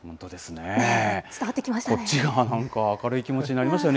伝わってきましたね。